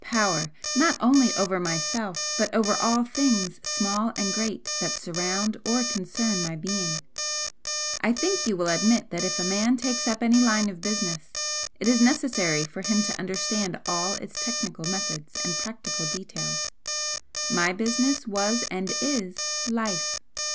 Power, not only over myself but over all things small and great that surround or concern my being. I think you will admit that if a man takes up any line of business, it is necessary for him to understand all its technical methods and practical details. My business was and IS Life!